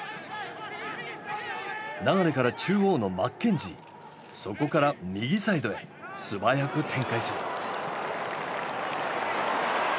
流から中央のマッケンジーそこから右サイドへ素早く展開する。